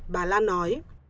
bà lan nói